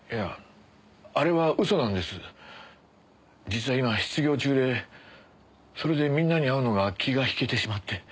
実は今失業中でそれでみんなに会うのが気が引けてしまって。